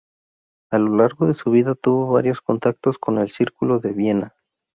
A lo largo de su vida tuvo varios contactos con el Círculo de Viena.